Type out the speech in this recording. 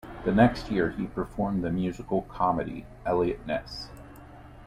The next year, he performed in the musical comedy "Eliott Ness".